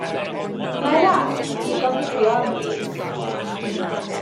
Mae'r ras wedi'i gohirio am fis.